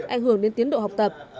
ảnh hưởng đến tiến độ học tập